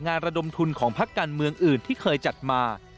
ระดมทุนของพักการเมืองอื่นที่เคยจัดมา